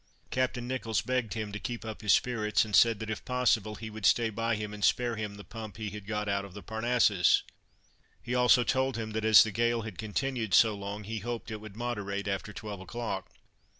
Captain Nicholls begged him to keep up his spirits, and said, that, if possible, he would stay by him and spare him the pump he had got out of the Parnassus; he also told him that, as the gale had continued so long, he hoped that it would moderate after twelve o'clock.